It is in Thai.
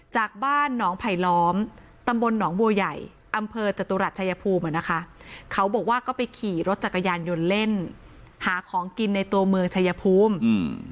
จากบ้านหนองไผลล้อมตำบลหนองบัวยอำเภอจัตุรัฐชายภูมิ